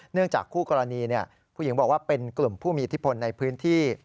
จากคู่กรณีผู้หญิงบอกว่าเป็นกลุ่มผู้มีอิทธิพลในพื้นที่